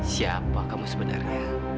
siapa kamu sebenarnya